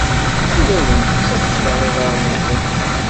Ur awent-ttakleɣ iḍarren-nwent.